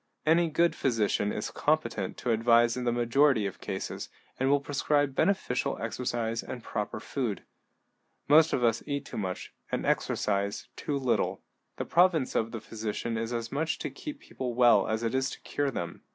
Any good physician is competent to advise in the majority of cases, and will prescribe beneficial exercise and proper food. Most of us eat too much, and exercise too little. The province of the physician is as much to keep people well as it is to cure them.